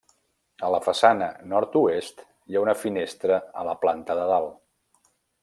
A la façana nord-oest, hi ha una finestra a la planta de dalt.